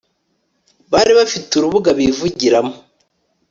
bari bafite urubuga bivugiramo